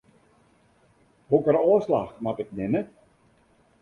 Hokker ôfslach moat ik nimme?